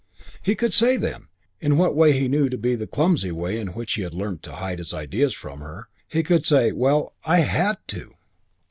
He could say then, in what he knew to be the clumsy way in which he had learnt to hide his ideas from her, he could say, "Well, I had to."